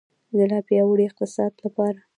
د لا پیاوړي اقتصاد لپاره.